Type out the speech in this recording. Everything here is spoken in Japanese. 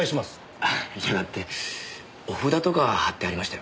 あっいやだってお札とか貼ってありましたよ？